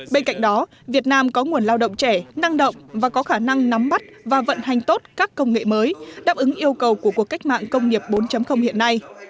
bên cạnh đó việt nam có nguồn lao động trẻ năng động và có khả năng nắm bắt và vận hành tốt các công nghệ mới đáp ứng yêu cầu của cuộc cách mạng công nghiệp bốn hiện nay